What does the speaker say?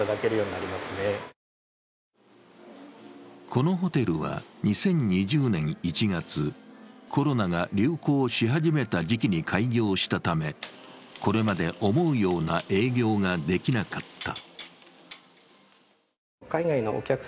このホテルは２０２０年１月、コロナが流行し始めた時期に開業したためこれまで思うような営業ができなかった。